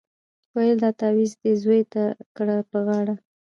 ویل دا تعویذ دي زوی ته کړه په غاړه